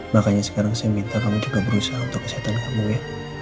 makanya sekarang saya minta kamu juga berusaha untuk kesehatan kamu ya